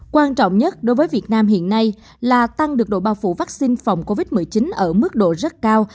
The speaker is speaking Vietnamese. quan trọng nhất đối với việt nam hiện nay là tăng được độ bao phủ vaccine phòng covid một mươi chín ở mức độ rất cao